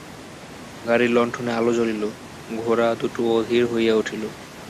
গাড়ির লণ্ঠনে আলো জ্বলিল, ঘোড়া দুটা অধীর হইয়া উঠিল।